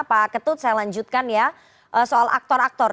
pak ketut saya lanjutkan ya soal aktor aktor